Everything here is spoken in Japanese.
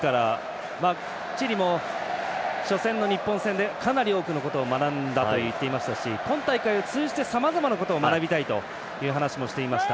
チリも初戦の日本戦でかなり多くのことを学んだと言っていましたし今大会を通じてさまざまなことを学びたいという話をしていました。